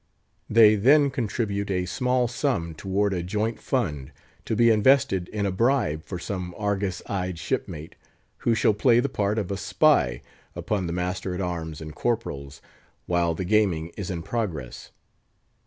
They then contribute a small sum toward a joint fund, to be invested in a bribe for some argus eyed shipmate, who shall play the part of a spy upon the master at arms and corporals while the gaming is in progress.